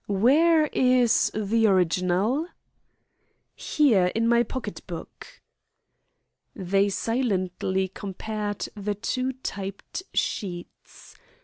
Where is the original?" "Here, in my pocket book." They silently compared the two typed sheets.